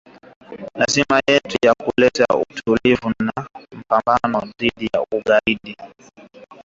Lazima yetu ya kuleta utulivu na mapambano dhidi ya ugaidi